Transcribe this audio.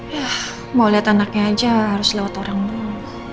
ya mau liat anaknya aja harus lewat orang dulu